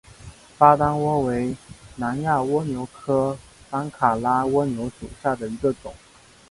巴丹蜗为南亚蜗牛科班卡拉蜗牛属下的一个种。